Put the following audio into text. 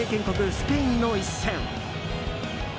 スペインの一戦。